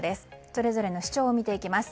それぞれの主張を見ていきます。